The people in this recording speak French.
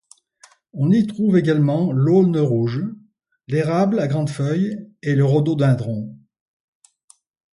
On y trouve également l’Aulne rouge, l’Érable à grandes feuilles et le rhododendron.